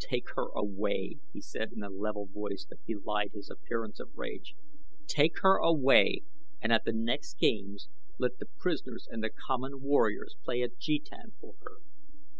"Take her away," he said in a level voice that belied his appearance of rage. "Take her away, and at the next games let the prisoners and the common warriors play at Jetan for her."